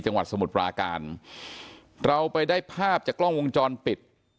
สมุทรปราการเราไปได้ภาพจากกล้องวงจรปิด